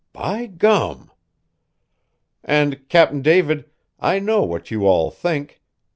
"By gum!" "And, Cap'n David, I know what you all think.